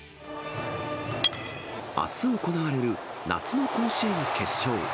あす行われる夏の甲子園決勝。